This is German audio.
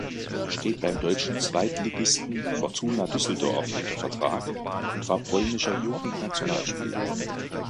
Er steht beim deutschen Zweitligisten Fortuna Düsseldorf unter Vertrag und war polnischer Jugendnationalspieler.